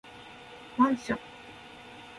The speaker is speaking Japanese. マンション